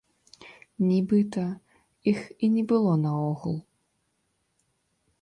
Нібыта іх і не было наогул.